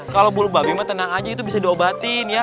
kalau bulu babi emang tenang aja itu bisa diobatin ya